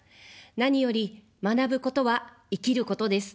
何より、学ぶことは生きることです。